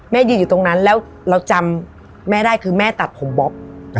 ยืนอยู่ตรงนั้นแล้วเราจำแม่ได้คือแม่ตัดผมบ๊อบ